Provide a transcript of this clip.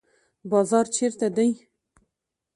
بازار چیرته دی؟